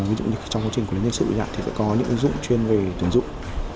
trong quá trình của lĩnh vực nhân sự thì sẽ có những ứng dụng chuyên về tưởng dụng